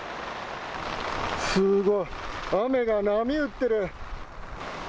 すごい、雨が波打ってる。